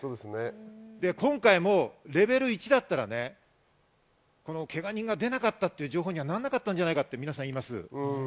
今回もレベル１だったら、けが人が出なかったという情報にはならなかったんじゃないかと皆さん、言います。